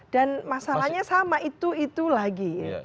dan masalahnya sama itu itu lagi